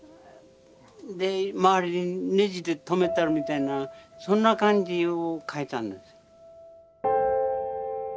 で周りにネジで留めてあるみたいなそんな感じを描いたんです。